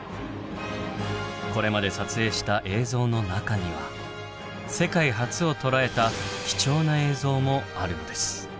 これまで撮影した映像の中には世界初を捉えた貴重な映像もあるのです。